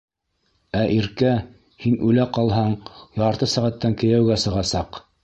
Ә Иркә, һин үлә ҡалһаң, ярты сәғәттән кейәүгә сығасаҡ.